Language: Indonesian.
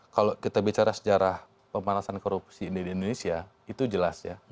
kalau kita bicara sejarah pemanasan korupsi ini di indonesia itu jelas ya